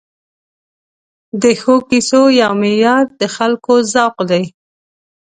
د ښو کیسو یو معیار د خلکو ذوق دی.